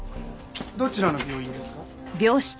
どちらの病院ですか？